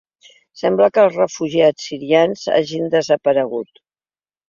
Sembla que els refugiats sirians hagin desaparegut.